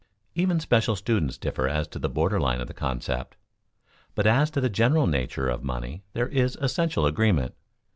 Even special students differ as to the border line of the concept, but as to the general nature of money there is essential agreement.